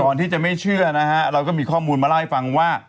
ที่จะไม่เชื่อนะฮะเราก็มีข้อมูลมาเล่าให้ฟังว่า